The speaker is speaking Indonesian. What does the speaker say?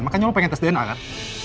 makanya lo pengen tes dna kan